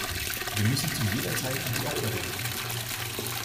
Wir müssen zu jeder Zeit an die Opfer denken.